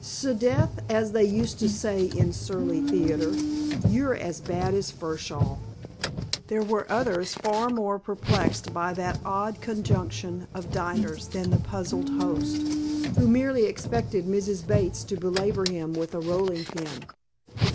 "Sdeath, as they used to say in the Surrey Theater, you're as bad as Furshaw!" There were others far more perturbed by that odd conjunction of diners than the puzzled host, who merely expected Mrs. Bates to belabor him with a rolling pin.